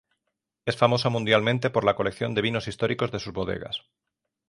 Es famosa mundialmente por la colección de vinos históricos de sus bodegas